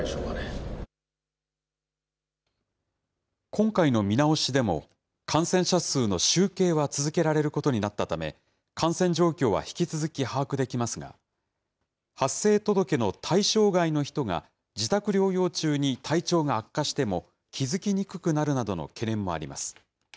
今回の見直しでも、感染者数の集計は続けられることになったため、感染状況は引き続き把握できますが、発生届の対象外の人が自宅療養中に体調が悪化しても、気付きにくくなるなどの懸念もあります。